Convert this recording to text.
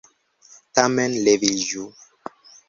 Tamen leviĝu!